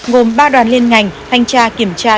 gồm ba đoàn liên ngành thanh tra kiểm tra